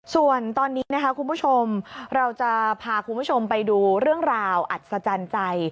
ส่วนตอนนี้นะคะคุณผู้ชมเราจะพาคุณผู้ชมไปดูเรื่องราวอัศจรรย์ใจ